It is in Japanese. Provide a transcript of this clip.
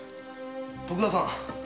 徳田さん